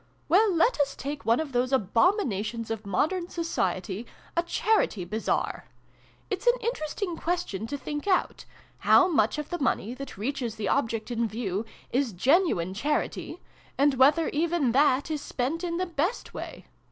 " Well, let us take one of those abomina tions of modern Society, a Charity Bazaar. It's an interesting question to think out how much of the money, that reaches the object in ill] STREAKS OF DAWN. 45 view, is genuine charity ; and whether even that is spent in the best way.